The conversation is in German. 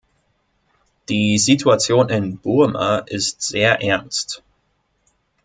Die Situation in Burma ist sehr ernst.